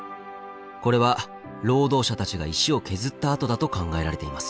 これは労働者たちが石を削った跡だと考えられています。